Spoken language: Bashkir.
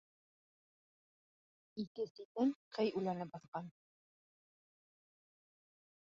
Ике ситен ҡый үләне баҫҡан.